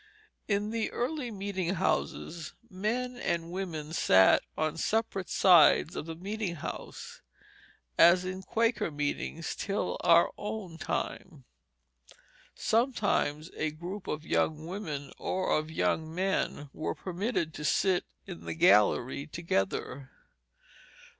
In the early meeting houses men and women sat on separate sides of the meeting house, as in Quaker meetings till our own time. Sometimes a group of young women or of young men were permitted to sit in the gallery together.